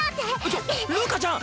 ちょっるかちゃん！